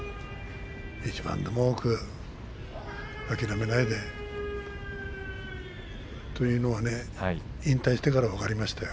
一番でも多く諦めないでというのはね引退してから分かりましたよ。